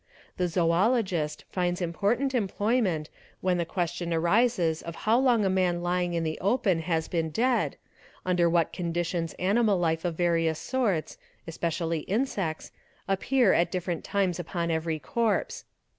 The zoologist finds important employment | when the question arises of how long a man lying in the open has been dead, under what conditions animal life of various sorts (especially insects) appear at different times upon every corpse.